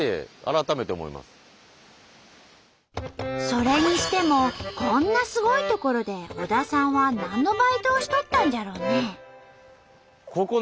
それにしてもこんなすごい所で小田さんは何のバイトをしとったんじゃろね？